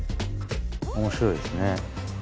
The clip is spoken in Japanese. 面白いですね。